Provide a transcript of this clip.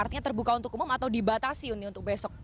artinya terbuka untuk umum atau dibatasi untuk besok